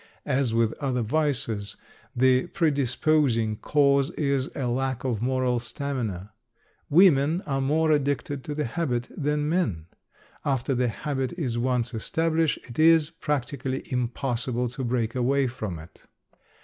As with other vices, the predisposing cause is a lack of moral stamina. Women are more addicted to the habit than men. After the habit is once established it is practically impossible to break away from it.